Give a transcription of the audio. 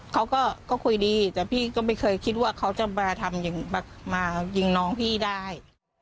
เขาก็คุยดีแต่พี่ก็ไม่เคยคิดว่าเขาจะมาทำมายิงน้องพี่ได้